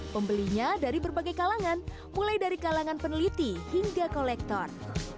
pembelinya dari berbagai kalangan mulai dari kalangan peneliti hingga kolektor